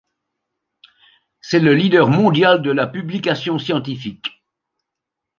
C'est le leader mondial de la publication scientifique.